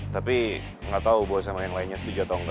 tapi gak tau gua sama yang lainnya setuju atau enggak